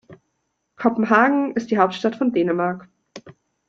Kopenhagen ist die Hauptstadt von Dänemark.